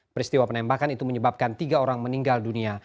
peristiwa penembakan itu menyebabkan tiga orang meninggal dunia